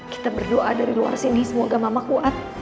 kita berdoa dari luar sini semoga mama kuat